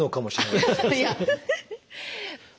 いや！